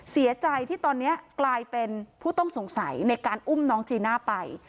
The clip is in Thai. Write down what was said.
เสียใจที่ตอนนี้กลายเป็นผู้ต้องสงสัยในการอุ้มน้องจีน่าไป